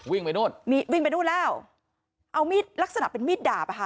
วิ่งไปนู่นนี่วิ่งไปนู่นแล้วเอามีดลักษณะเป็นมีดดาบอ่ะค่ะ